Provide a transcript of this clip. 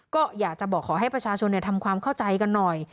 ก็อยากจะบอกขอให้ประชาชนทำความเข้าใจกันหน่อย